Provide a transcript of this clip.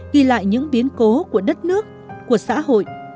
ghi lại những biến cố của đất nước của xã hội